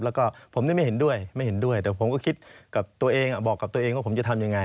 แล้วก็ผมไม่เห็นด้วยไม่เห็นด้วยแต่ผมก็คิดกับตัวเองบอกกับตัวเองว่าผมจะทำยังไง